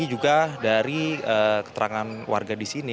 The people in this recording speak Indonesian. ini juga dari keterangan warga di sini